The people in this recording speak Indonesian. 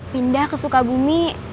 pindah ke sukabumi